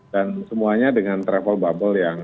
dan semuanya dengan travel bubble yang